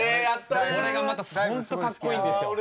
これがまた本当かっこいいんですよ。